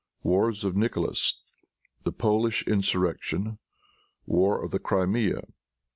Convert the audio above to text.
Wars of Nicholas. The Polish Insurrection. War of the Crimea.